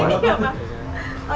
mantap aca mantap